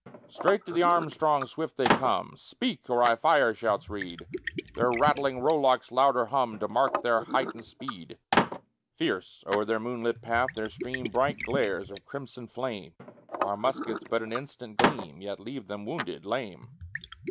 Straight to the Armstrong swift they come. Speak, or I fire! shouts Reid Their rattling rowlocks louder hum To mark their heightened speed. Fierce o'er their moonlit path there stream Bright glares of crimson flame; Our muskets but an instant gleam, Yet leave them wounded, lame.